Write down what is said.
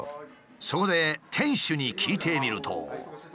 そこで店主に聞いてみると。